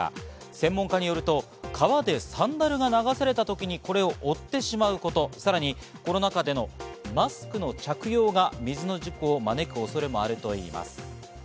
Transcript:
専門家によると川でサンダルが流された時にこれを追ってしまうこと、さらにコロナ禍でのマスクの着用が水の事故を招く恐れもあるといいます。